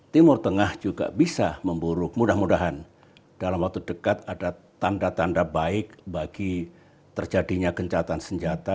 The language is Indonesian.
timur tengah juga bisa memburuk mudah mudahan dalam waktu dekat ada tanda tanda baik bagi terjadinya gencatan senjata